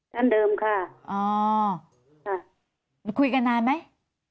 ท่านเดิมค่ะอ๋อค่ะมันคุยกันนานไหม